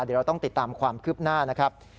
เดี๋ยวเราต้องติดตามความคืบหน้านะครับ